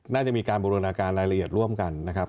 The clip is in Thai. น่าจะมีการบูรณาการรายละเอียดร่วมกันนะครับ